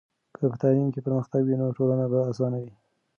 که په تعلیم کې پرمختګ وي، نو ټولنه به اسانه وي.